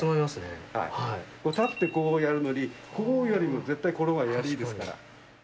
立ってやるのに、こうよりも絶対このほうがやりいいですから。